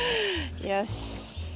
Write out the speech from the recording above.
よし。